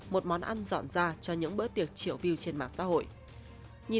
một món ăn dọn ra cho những bữa tiệc triệu view trên mạng xã hội